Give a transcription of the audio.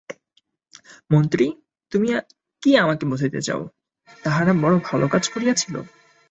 মন্ত্রী, তুমি কি আমাকে বুঝাইতে চাও, তাহারা বড় ভাল কাজ করিয়াছিল?